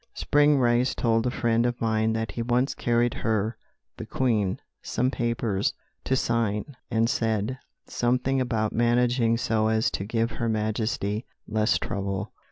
"Spring Rice told a friend of mine that he once carried her (the Queen) some papers to sign, and said something about managing so as to give Her Majesty less trouble.